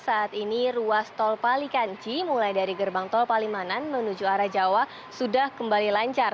saat ini ruas tol palikanci mulai dari gerbang tol palimanan menuju arah jawa sudah kembali lancar